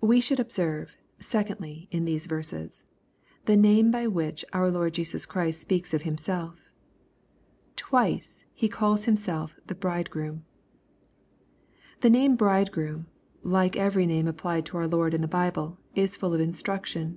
We should observe, secondly, in these verses, the name hy which our Lord Jesus Christ speaks of Himself. Twice He calls Himself " the Bridegroom." The name " bridegroom," like every name applied to our Lord in the Bible, is full of instruction.